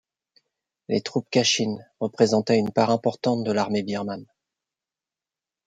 Les troupes kachin représentaient une part importante de l'armée birmane.